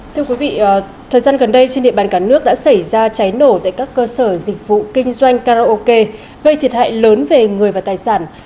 thưa quý vị thời gian gần đây trên địa bàn cả nước đã xảy ra cháy nổ tại các cơ sở dịch vụ kinh doanh karaoke gây thiệt hại lớn về người và tài sản